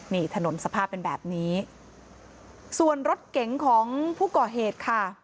นี่ถนนสภาพเป็นแบบนี้ส่วนรถเก๋งของผู้ก่อเหตุค่ะ